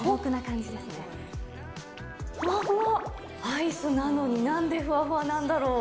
アイスなのになんでふわふわなんだろう。